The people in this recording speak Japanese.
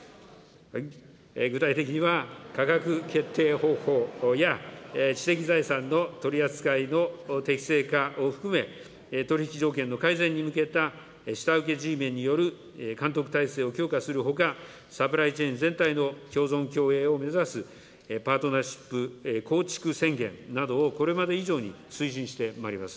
具体的には、価格決定方法や知的財産の取り扱いの適正化を含め、取引条件の改善に向けた下請けＧメンによる監督体制を強化するほか、サプライチェーン全体の共存共栄を目指すパートナーシップ構築宣言などを、これまで以上に推進してまいります。